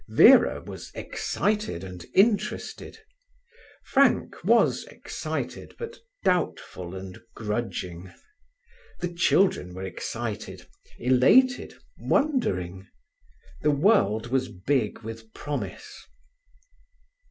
Vera was excited and interested; Frank was excited, but doubtful and grudging; the children were excited, elated, wondering. The world was big with promise.